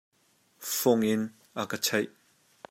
Fung in a ka cheih.